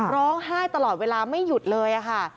ร้องไห้ตลอดเวลาไม่หยุดเลยค่ะ